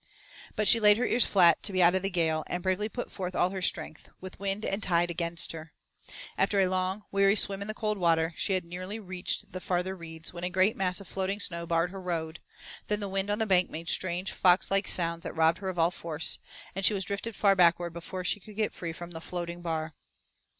But she laid her ears flat to be out of the gale, and bravely put forth all her strength with wind and tide against her. After a long, weary swim in the cold water, she had nearly reached the farther reeds when a great mass of floating snow barred her road; then the wind on the bank made strange, fox like sounds that robbed her of all force, and she was drifted far backward before she could get free from the floating bar.